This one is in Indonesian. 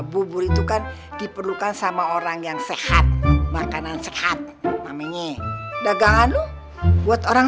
bubur itu kan diperlukan sama orang yang sehat makanan sehat namanya dagangan loh buat orang